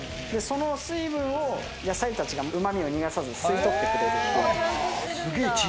その水分を野菜たちが、うまみを逃がさず、吸い取ってくれる。